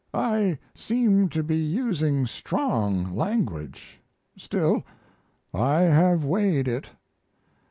I seem to be using strong language; still, I have weighed it.